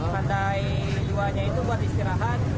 lantai dua nya itu buat istirahat